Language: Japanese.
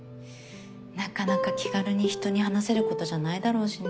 なかなか気軽に人に話せることじゃないだろうしね。